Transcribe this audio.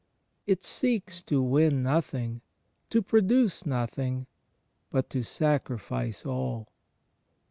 It seeks to win nothing, to produce nothing — but to sacrifice all.